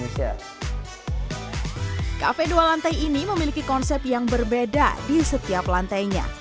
kafe dua lantai ini memiliki konsep yang berbeda di setiap lantainya